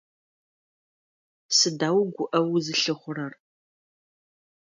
Сыда угуӀэу узылъыхъурэр?